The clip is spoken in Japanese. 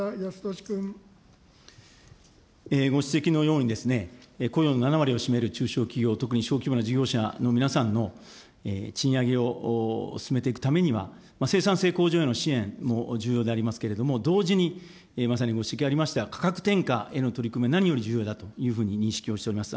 ご指摘のように、雇用の７割を占める中小企業、特に小規模な事業者の皆さんの賃上げを進めていくためには、生産性向上への支援も重要でありますけれども、同時に、今まさにご指摘ありました、価格転嫁への取り組み何より重要だというふうに認識をしております。